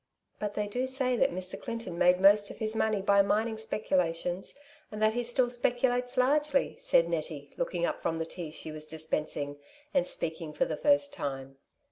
''But they do say that Mr. Clinton made most of his money by mining speculations, and that he still speculates largely," said Nettie, looking up from the tea she was dispensing, and speaking for the first time.